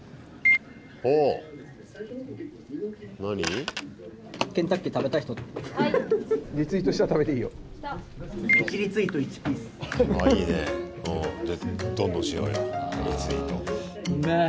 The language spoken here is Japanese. あいいね。